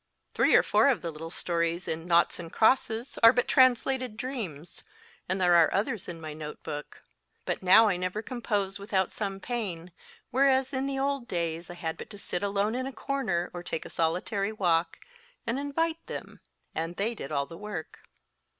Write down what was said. Three or four of the little stories in * Noughts and Crosses are but translated dreams, and there are others in my notebook ; but now I never compose without some pain, whereas in the old days I had but to sit alone in a corner or take a solitary walk and invite them, and they did all the work.